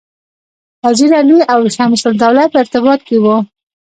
وزیر علي او شمس الدوله په ارتباط کې وه.